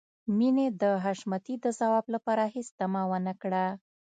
مينې د حشمتي د ځواب لپاره هېڅ تمه ونه کړه.